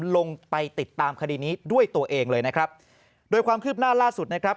ลงไปติดตามคดีนี้ด้วยตัวเองเลยนะครับโดยความคืบหน้าล่าสุดนะครับ